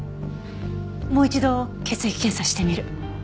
もう一度血液検査してみる。